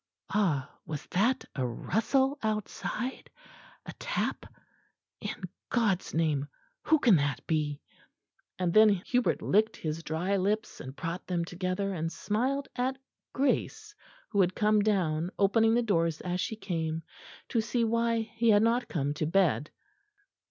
Ah! was that a rustle outside; a tap?... In God's name, who can that be?... And then Hubert licked his dry lips and brought them together and smiled at Grace, who had come down, opening the doors as she came, to see why he had not come to bed.